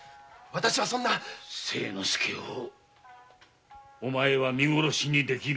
わたしはそんな誠之助をお前は見殺しにできるのか。